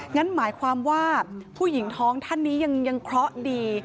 งั้นหมายความว่าผู้หญิงท้องท่านนี้ยังเคราะห์ดี